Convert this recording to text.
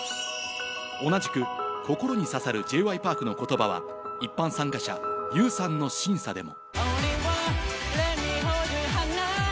同じく、心に刺さるＪ．Ｙ．Ｐａｒｋの言葉は、一般参加者、ユウさんの審査でも。